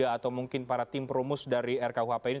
atau mungkin para tim perumus dari rkuhp ini